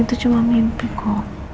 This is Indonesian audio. itu cuman mimpi kok